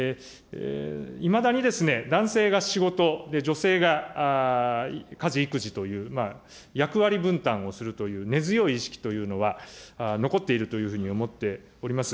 いまだに男性が仕事、女性が家事・育児という役割分担をするという根強い意識というのは、残っているというふうに思っております。